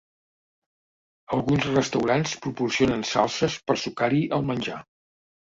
Alguns restaurants proporcionen salses per sucar-hi el menjar.